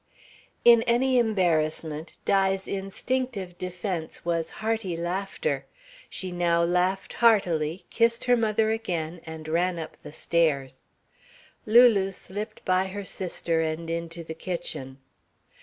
In any embarrassment Di's instinctive defence was hearty laughter. She now laughed heartily, kissed her mother again, and ran up the stairs. Lulu slipped by her sister, and into the kitchen.